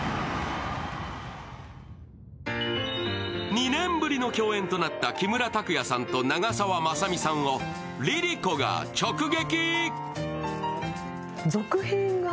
２年ぶりの共演となった木村拓哉さんと長澤まさみさんをＬｉＬｉＣｏが直撃。